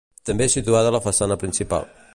També situada a la façana principal.